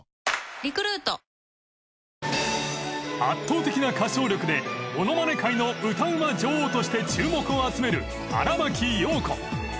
圧倒的な歌唱力でものまね界の歌うま女王として注目を集める荒牧陽子。